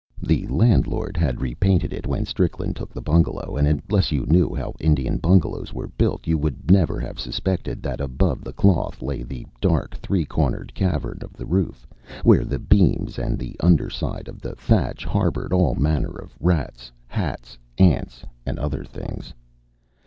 The landlord had repainted it when Strickland took the bungalow, and unless you knew how Indian bungalows were built you would never have suspected that above the cloth lay the dark, three cornered cavern of the roof, where the beams and the under side of the thatch harbored all manner of rats, hats, ants, and other things.